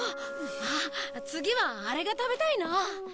あっ次はあれが食べたいな。